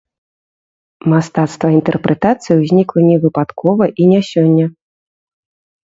Мастацтва інтэрпрэтацыі ўзнікла не выпадкова і не сёння.